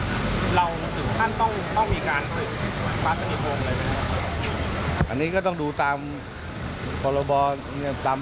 เราถือท่านต้องมีการศึกภาษณีบงเลยไหมครับ